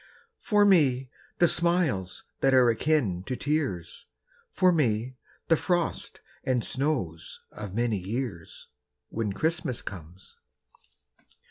For me, the smiles that are akin to tears, For me, the frost and snows of many years, When Christmas comes.